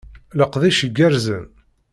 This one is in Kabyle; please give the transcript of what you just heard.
Leqdic igerrzen!